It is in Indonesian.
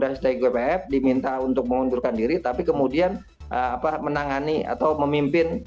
yang oleh pemerintah lewat rekomendasi tgpf diminta untuk mengundurkan diri tapi kemudian menangani atau memimpin